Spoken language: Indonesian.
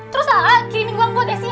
terus a kirim uang buat esi